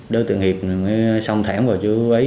đối tượng hiệp xong thảm vào chú ý